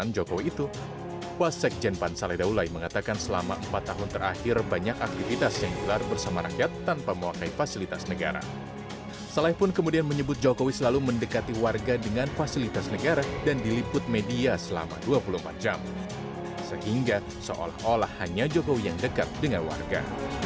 jokowi mengingatkan pada partai pendukung menyebutkan media dua puluh empat jam sehingga seolah olah hanya jokowi yang dekat dengan warga